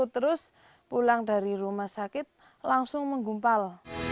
terus pulang dari rumah sakit langsung menggumpal